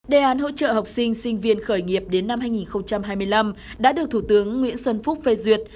đề án hỗ trợ học sinh sinh viên khởi nghiệp đến năm hai nghìn hai mươi năm đã được thủ tướng nguyễn xuân phúc phê duyệt